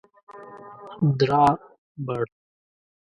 درابڼ